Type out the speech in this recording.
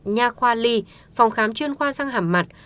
nhà khoa ly phòng khám chuyên khoa răng hẳm mặt